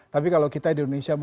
tapi kalau kita di indonesia